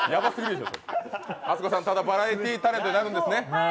アツコさん、バラエティータレントになるんですね